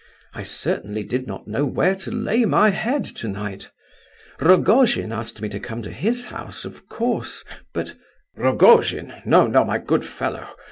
I certainly did not know where to lay my head tonight. Rogojin asked me to come to his house, of course, but—" "Rogojin? No, no, my good fellow.